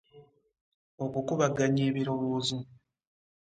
Okukubaganya ebirowoozo